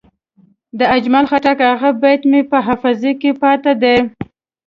د اجمل خټک هغه بیت مې په حافظه کې پاتې دی.